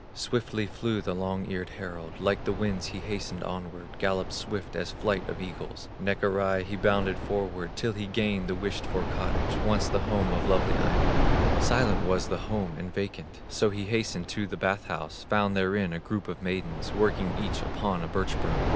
Swiftly flew the long eared herald, Like the winds he hastened onward, Galloped swift as flight of eagles; Neck awry he bounded forward Till he gained the wished for cottage, Once the home of lovely Aino. Silent was the home, and vacant; So he hastened to the bath house, Found therein a group of maidens, Working each upon a birch broom.